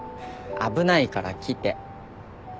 危ないから来て。